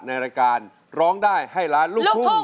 ในรายการร้องได้ให้ล้านลูกทุ่ง